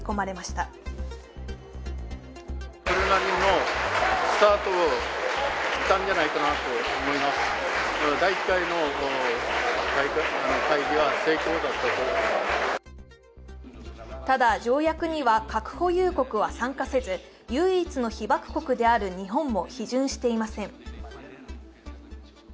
ただ、条約には核保有国は参加せず唯一の被爆国である日本も批准していません。